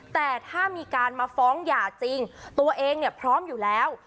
แต่ถ้ามีการมาฟ้องหย่าจริงตัวเองเนี่ยพร้อมอยู่แล้ว